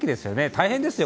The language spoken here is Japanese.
大変ですよ。